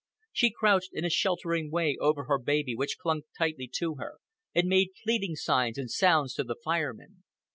She crouched in a sheltering way over her baby (which clung tightly to her), and made pleading signs and sounds to the Fire Men.